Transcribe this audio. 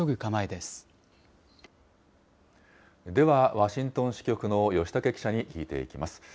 では、ワシントン支局の吉武記者に聞いていきます。